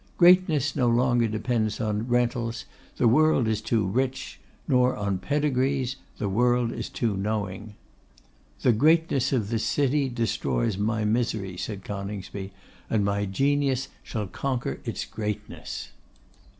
Greatness no longer depends on rentals, the world is too rich; nor on pedigrees, the world is too knowing. 'The greatness of this city destroys my misery,' said Coningsby, 'and my genius shall conquer its greatness.